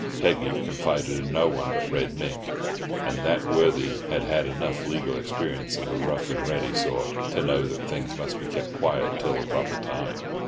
Peggy confided in no one but Red Mick, and that worthy had had enough legal experience of a rough and ready sort to know that things must be kept quiet till the proper time.